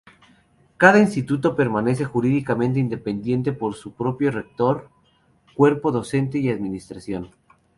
Cada instituto permanece jurídicamente independiente con su propio rector, cuerpo docente y administración.